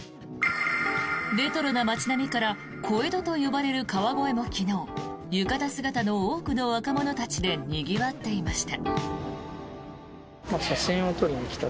レトロな街並みから小江戸と呼ばれる川越も昨日浴衣姿の多くの若者たちでにぎわっていました。